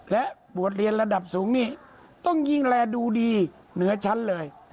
และบวชเรียนระดับสูงนี่ต้องยิ่งแลดูดีเหนือชั้นเลย